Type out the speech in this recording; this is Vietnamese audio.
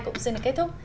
cũng xin được kết thúc